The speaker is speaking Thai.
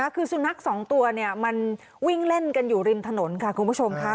คือสุนัขสองตัวมันวิ่งเล่นกันอยู่ริมถนนค่ะคุณผู้ชมค่ะ